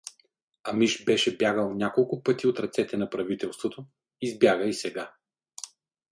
Амиш беше бягал няколко пъти от ръцете на правителството, избяга и сега.